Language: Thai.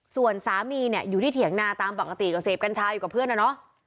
ส่วนสามีเนี่ยอยู่ที่เถียงนาตามปกติก็เสพกัญชาอยู่กับเพื่อนนะเนาะ